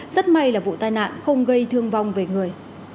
rất may là vụ tai nạn không gây thương vong về người